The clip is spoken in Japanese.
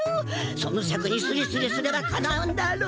そのシャクにスリスリすればかなうんだろ？